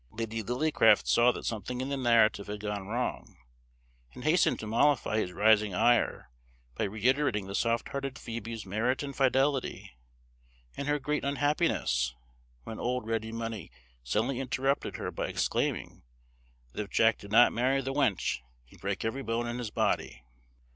Lady Lillycraft saw that something in the narrative had gone wrong, and hastened to mollify his rising ire by reiterating the soft hearted Phoebe's merit and fidelity, and her great unhappiness, when old Ready Money suddenly interrupted her by exclaiming, that if Jack did not marry the wench, he'd break every bone in his body!